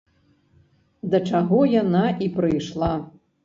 Да чаго яна і прыйшла.